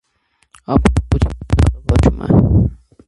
Ապստամբությունը գնալով աճում է։